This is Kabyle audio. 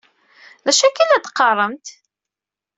D acu akka ay la d-qqarent?!